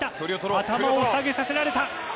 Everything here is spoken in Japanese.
頭を下げさせられた！